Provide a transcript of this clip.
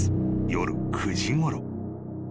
夜９時ごろ］